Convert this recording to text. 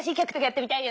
やってみたい。